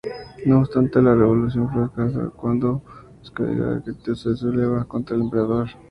No obstante, la revolución fracasa cuando Ashikaga Takauji se subleva contra el emperador.